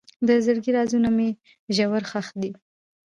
د زړګي رازونه مې ژور ښخ دي.